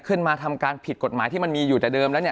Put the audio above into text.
ทำการผิดกฎหมายที่มันมีอยู่แต่เดิมแล้วเนี่ย